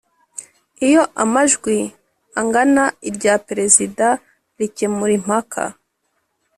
iyo amajwi angana irya perezida rikemura impaka